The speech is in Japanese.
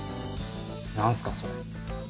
何すかそれ。